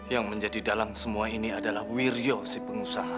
yang menjadi dalang semua ini adalah wirjo si pengusaha